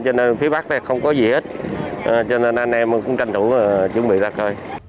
cho nên phía bắc đây không có gì hết cho nên anh em cũng tranh thủ chuẩn bị ra khơi